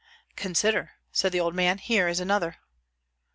"Consider," said the old man. "Here is another."